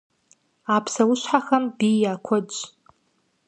А псэущхьэхэм бий я куэдщ.